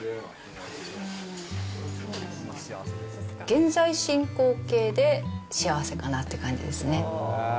現在進行形で幸せかなって感じですね。